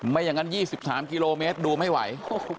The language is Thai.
ไม่อย่างนั้น๒๓กิโลเมตรดูไม่ไหว